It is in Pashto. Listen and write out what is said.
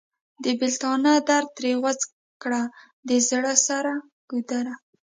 د بیلتانه درد ترېنه غوڅ کړ د زړه سر ګودره!